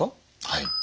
はい。